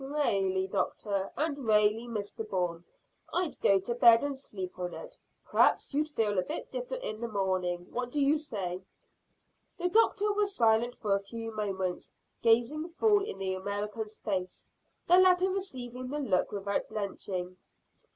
Raally, doctor, and raally, Mr Bourne, I'd go to bed and sleep on it. P'r'aps you'd feel a bit different in the morning. What do you say?" The doctor was silent for a few moments, gazing full in the American's face, the latter receiving the look without blenching.